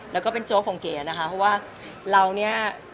แล้วก็เป็นโจ๊กของเก๋นะคะเพราะว่าเราเนี่ย